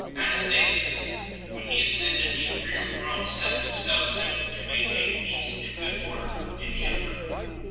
Anastasius when he ascended the imperial throne set himself simply to maintain peace and good order in the empire 1